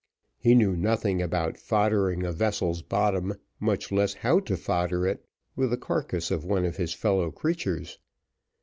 He knew nothing about foddering a vessel's bottom, much less how to fodder it with the carcass of one of his fellow creatures.